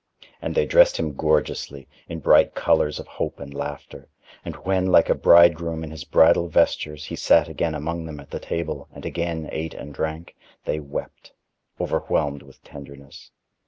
And they dressed him gorgeously, in bright colors of hope and laughter, and when, like to a bridegroom in his bridal vestures, he sat again among them at the table, and again ate and drank, they wept, overwhelmed with tenderness.